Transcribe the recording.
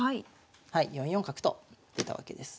はい４四角と出たわけです。